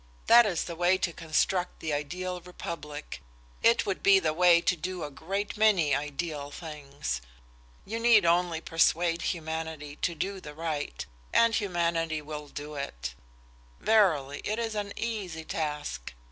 "That is the way to construct the ideal republic. It would be the way to do a great many ideal things. You need only persuade humanity to do right, and humanity will do it. Verily, it is an easy task!"